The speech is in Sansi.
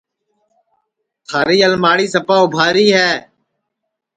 تھاری الماڑی سپا اُبھاری ہے